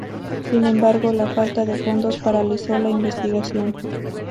Sin embargo, la falta de fondos paralizó la investigación.